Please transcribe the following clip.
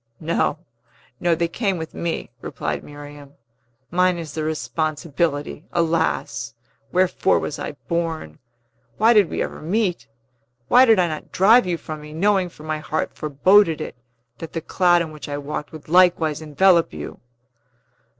"No, no; they came with me," replied Miriam. "Mine is the responsibility! Alas! wherefore was I born? Why did we ever meet? Why did I not drive you from me, knowing for my heart foreboded it that the cloud in which I walked would likewise envelop you!"